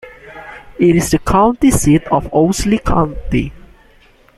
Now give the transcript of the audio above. It is the county seat of Owsley County.